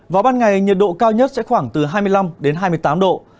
vào ban ngày nhiệt độ cao nhất sẽ khoảng từ hai mươi năm đến hai mươi tám độ